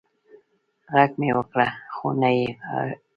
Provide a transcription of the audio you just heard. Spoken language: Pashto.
غږ مې وکړ خو نه یې اږري